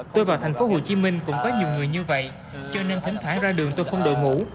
tôi vào thành phố hồ chí minh cũng có nhiều người như vậy cho nên thỉnh khải ra đường tôi không đổi mũ